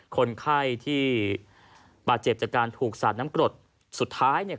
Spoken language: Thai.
คนไข้ที่บาดเจ็บจากการถูกสาดน้ำกรดสุดท้ายเนี่ย